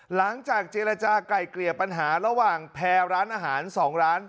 หลังจากเจรจาก่ายเกลี่ยปัญหาระหว่างแพร่ร้านอาหาร๒ร้าน